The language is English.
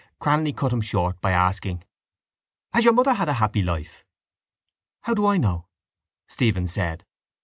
Cranly cut him short by asking: —Has your mother had a happy life? —How do I know? Stephen said.